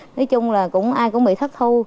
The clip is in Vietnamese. nói chung là ai cũng bị thất thu